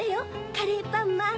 カレーパンマン！